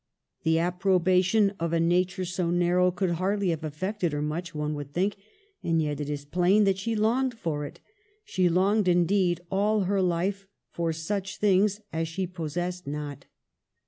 The approbation of a nature so narrow could hardly have affected her much, one would think, and yet it is plain that she longed for it — she longed indeed, all her life for such things as she possessed not.